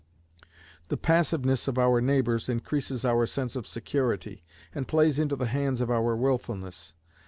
The passiveness of our neighbors increases our sense of security, and plays into the hands of our wilfulness.